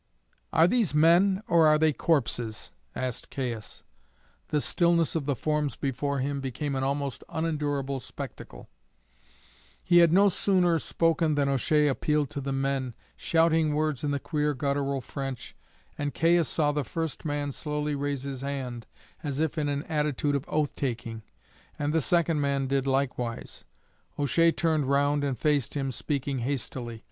"Are these men, or are they corpses?" asked Caius. The stillness of the forms before him became an almost unendurable spectacle. He had no sooner spoken than O'Shea appealed to the men, shouting words in the queer guttural French. And Caius saw the first man slowly raise his hand as if in an attitude of oath taking, and the second man did likewise. O'Shea turned round and faced him, speaking hastily.